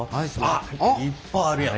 あっいっぱいあるやん。